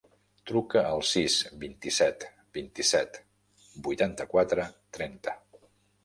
Truca al sis, vint-i-set, vint-i-set, vuitanta-quatre, trenta.